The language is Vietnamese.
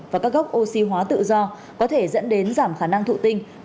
và các gốc oxy hóa tự do có thể dẫn đến giảm khả năng thụ tinh